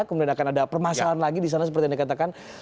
kemudian akan ada permasalahan lagi di sana seperti anda katakan